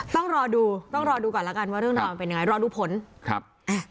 ต้องรอดูต้องรอดูก่อนแล้วกันว่าเรื่องราวมันเป็นยังไงรอดูผลครับอ่ะ